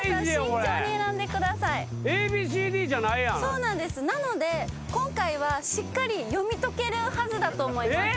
そうなんですなので今回はしっかり読み解けるはずだと思います。